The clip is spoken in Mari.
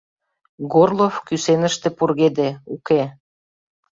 Горлов кӱсеныште пургеде: уке.